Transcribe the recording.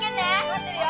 待ってるよ。